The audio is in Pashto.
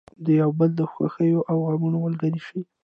د یو بل د خوښیو او غمونو ملګري شئ.